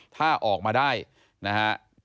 ถ้าออกมาได้นะฮะ